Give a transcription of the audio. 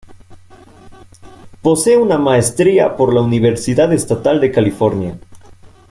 Posee una maestría por la Universidad Estatal de California.